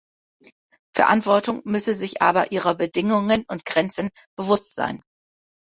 Verantwortung müsse sich aber ihrer Bedingungen und Grenzen bewusst sein.